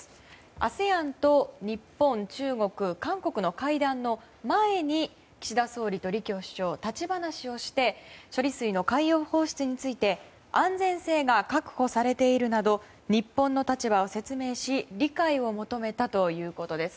ＡＳＥＡＮと日本、中国、韓国の会談の前に岸田総理と李強首相立ち話をして処理水の海洋放出について安全性が確保されているなど日本の立場を説明し理解を求めたということです。